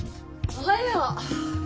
おはよう。